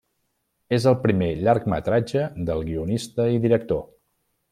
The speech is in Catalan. És el primer llargmetratge del guionista i director.